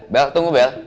bel tunggu bel